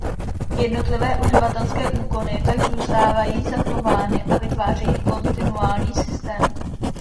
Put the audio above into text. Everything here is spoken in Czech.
Jednotlivé uživatelské úkony tak zůstávají zachovány a vytvářejí kontinuální systém.